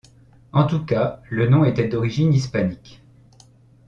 En tout cas, le nom était d'origine hispanique.